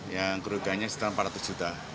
yang kerugiannya sekitar empat ratus juta